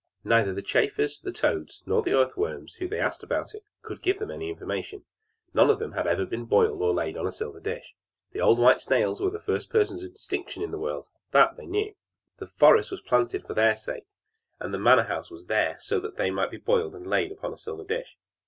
Neither the chafers, the toads, nor the earth worms, whom they asked about it could give them any information none of them had been boiled or laid on a silver dish. The old white snails were the first persons of distinction in the world, that they knew; the forest was planted for their sake, and the manor house was there that they might be boiled and laid on a silver dish.